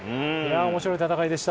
面白い戦いでした。